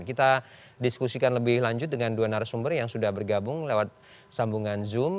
kita diskusikan lebih lanjut dengan dua narasumber yang sudah bergabung lewat sambungan zoom